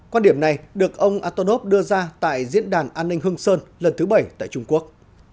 quan điểm này được ông atonov đưa ra tại diễn đàn an ninh hương sơn lần thứ bảy tại trung quốc